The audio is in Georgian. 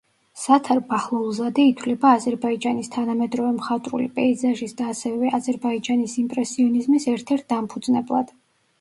სათარ ბაჰლულზადე ითვლება აზერბაიჯანის თანამედროვე მხატვრული პეიზაჟის და ასევე აზერბაიჯანის იმპრესიონიზმის ერთ-ერთ დამფუძნებლად.